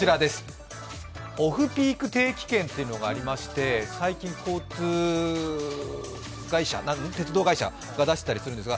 オフピーク定期券というのがありまして、最近、鉄道会社なんかが出したりしています。